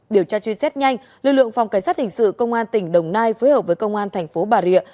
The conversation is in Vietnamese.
điều tra truy xét nhanh lực lượng phòng cảnh sát hình sự công an tỉnh đồng nai phối hợp với công an thành phố bà rịa